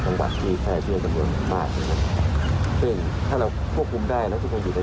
แต่ถ้ายังไปมาก็อยู่ตลอดตัวนี้ได้